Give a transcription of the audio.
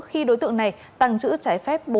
khi đối tượng này tàng trữ trái phép